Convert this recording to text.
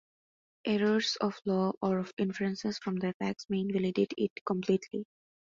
Errors of law or of inferences from the facts may invalidate it completely.